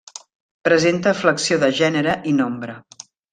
Presenta flexió de gènere i nombre.